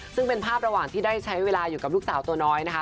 ซึ่งเป็นภาพระหว่างที่ได้ใช้เวลาอยู่กับลูกสาวตัวน้อยนะคะ